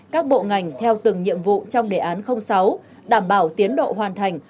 các bộ ngành theo từng nhiệm vụ trong đề án sáu đảm bảo tiến độ hoàn thành